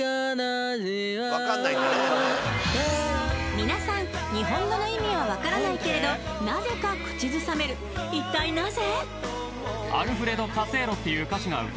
皆さん日本語の意味はわからないけれどなぜか口ずさめる一体なぜ？